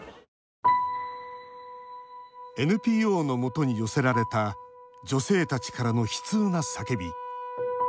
ＮＰＯのもとに寄せられた女性たちからの悲痛な叫び。